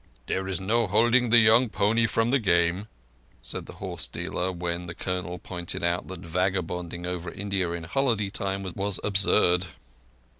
"There is no holding the young pony from the game," said the horse dealer when the Colonel pointed out that vagabonding over India in holiday time was absurd.